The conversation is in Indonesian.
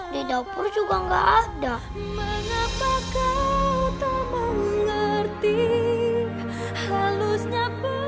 di dapur juga gak ada